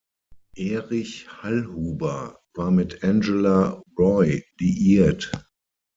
Erich Hallhuber war mit Angela Roy liiert.